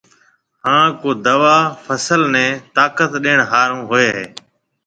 هانَ ڪو دوا فصل نَي طاقت ڏيڻ هارون هوئي هيَ۔